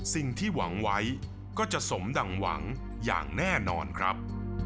สิ่งที่หวังไว้ก็จะสมดั่งหวังอย่างแน่นอนครับ